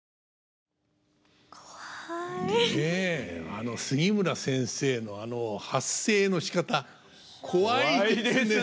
あの杉村先生のあの発声のしかたコワいですね。